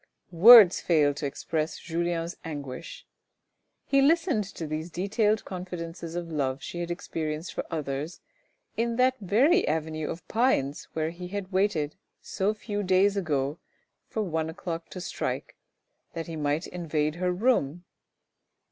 Words fail to express J ulien's anguish. He listened to these detailed confidences of the love she had experienced for others in that very avenue of pines where he had waited so few days ago for one o'clock to strike that he might invade her room.